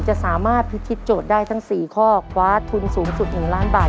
จะสามารถพิธีโจทย์ได้ทั้ง๔ข้อคว้าทุนสูงสุด๑ล้านบาท